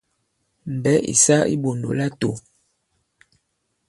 Mbɛ̌ ì sa i iɓòndò latō.